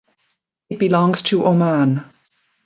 It belongs to Oman.